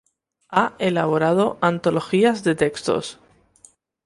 Ha elaborado antologías de textos.